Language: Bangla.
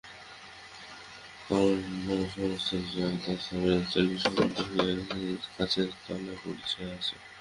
করুণা সমস্ত রাত চলিয়া চলিয়া শ্রান্ত হইয়া গাছের তলায় পড়িয়া আছে।